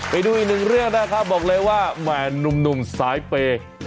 ไปดูอีกหนึ่งเรื่องนะครับบอกเลยว่าแหม่หนุ่มสายเปย์